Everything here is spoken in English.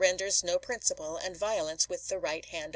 ders no principle, and violence with the right hand p.